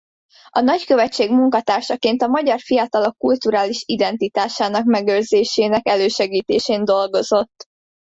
A nagykövetség munkatársaként a magyar fiatalok kulturális identitásának megőrzésének elősegítésén dolgozott.